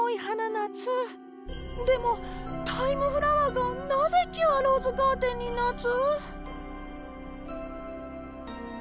でもタイムフラワーがなぜキュアローズガーデンにナツ？